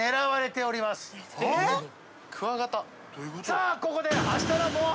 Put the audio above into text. さあここで。